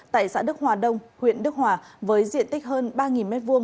tại xã đức hòa đông huyện đức hòa với diện tích hơn ba m hai